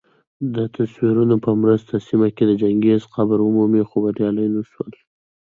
دتصویرونو په مرسته سیمه کي د چنګیز قبر ومومي خو بریالي نه سول